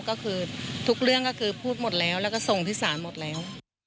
ก็คือทุกเรื่องก็คือพูดหมดแล้วแล้วก็ส่งที่ศาลหมดแล้ว